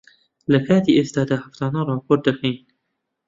لەکاتی ئێستادا، هەفتانە ڕاپۆرت دەکەین.